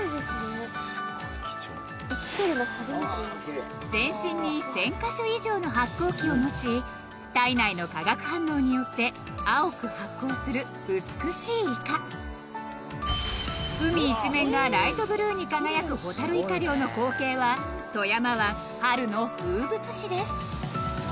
すごいですね生きてるの初めて見ました全身に１０００カ所以上の発光器を持ち体内の化学反応によって青く発光する美しいイカ海一面がライトブルーに輝くホタルイカ漁の光景は富山湾春の風物詩です